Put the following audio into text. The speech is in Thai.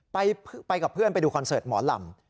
ไปกับเพื่อนไปดูคอนเสิร์ตหมอลำ